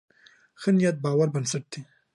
ښه نیت د باور بنسټ دی.